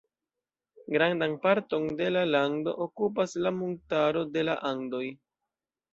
Grandan parton de la lando okupas la montaro de la Andoj.